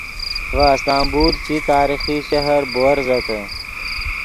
ڤے استنبول چی تاریخی شہر بوورزتے